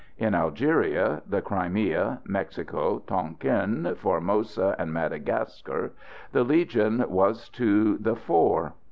In Algeria, the Crimea, Mexico, Tonquin, Formosa and Madagascar the Legion was to the fore.